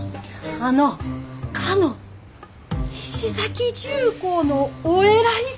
あのかの菱崎重工のお偉いさん！